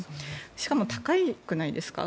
しかも高くないですか？